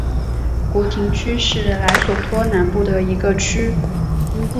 古廷区是莱索托南部的一个区。